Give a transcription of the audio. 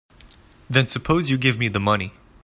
Then suppose you give me the money.